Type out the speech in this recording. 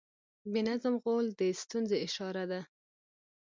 بې نظم غول د ستونزې اشاره ده.